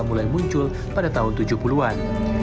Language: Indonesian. mulai muncul pada tahun tujuh puluh an